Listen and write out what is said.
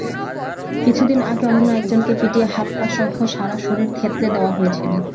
কিছুদিন আগে অন্য একজনকে পিটিয়ে হাত-পাসহ সারা শরীর থেঁতলে দেওয়া হয়েছিল।